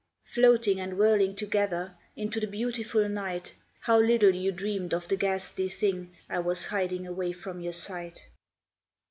Floating and whirling together, Into the beautiful night, How little you dreamed of the ghastly thing I was hiding away from your sight.